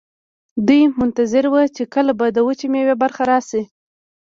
دوی منتظر وو چې کله به د وچې میوې برخه راشي.